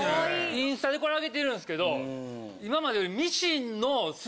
インスタでこれあげてるんすけど今まで。